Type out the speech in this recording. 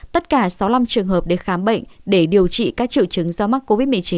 tất cả sáu mươi năm trường hợp đến khám bệnh để điều trị các triệu chứng do mắc covid một mươi chín